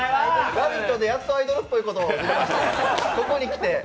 「ラヴィット！」でやっとアイドルっぽいことを、ここへきて。